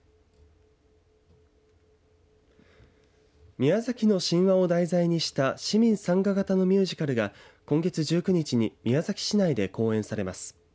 宮崎の神話を題材にした市民参加型のミュージカルが今月１９日に宮崎市内で公演されます。